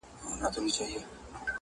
پر ده پوري تړلي